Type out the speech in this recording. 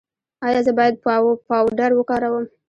ایا زه باید پاوډر وکاروم؟